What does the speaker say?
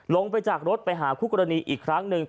ลงไปจากรถไปหาคู่กรณีอีกครั้งหนึ่ง